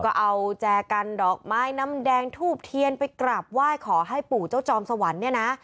ก็เอาแจกันดอกไม้น้ำแดงทูบเทียนไปกราบไหว้ขอให้ปู่เจ้าจอมสวรรค์เนี่ยนะ